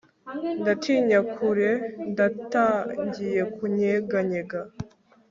ndatinya kure natangiye kunyeganyega